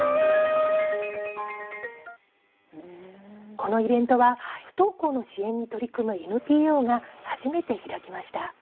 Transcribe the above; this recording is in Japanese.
このイベントは不登校の支援に取り組むＮＰＯが初めて開きました。